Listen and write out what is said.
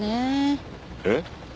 えっ？